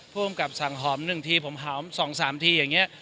ผู้กำกับสั่งหอมหนึ่งทีผมหอมสองสามทีอย่างนี้